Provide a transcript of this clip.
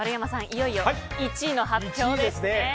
いよいよ１位の発表ですね。